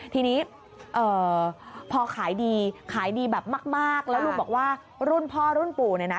ทีนี้พอขายดีขายดีแบบมากแล้วลูกบอกว่ารุ่นพ่อรุ่นปู่เนี่ยนะ